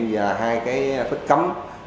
và hai cái phít cấm